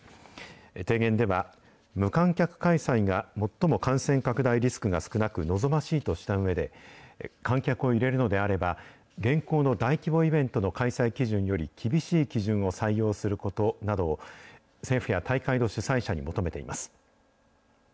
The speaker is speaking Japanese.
提言では、無観客開催が最も感染拡大リスクが少なく、望ましいとしたうえで、観客を入れるのであれば、現行の大規模イベントの開催基準より厳しい基準を採用することなどを、政府や大会の主催者に求めています。